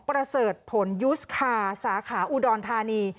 ประเสริฐผลยูสคาร์สาขาอุดรธานี